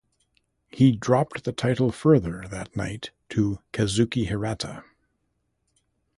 He dropped the title further that night to Kazuki Hirata.